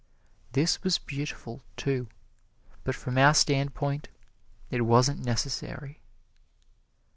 This was beautiful, too, but from our standpoint it wasn't necessary.